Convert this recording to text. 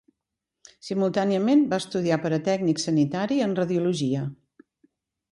Simultàniament, va estudiar per a tècnic sanitari en radiologia.